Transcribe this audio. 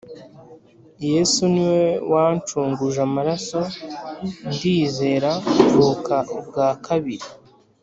Yesu niwe wancunguje amaraso ndizera mvuka ubwakabiri